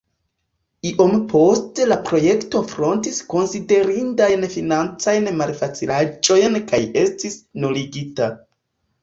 Iom poste la projekto frontis konsiderindajn financajn malfacilaĵojn kaj estis nuligita.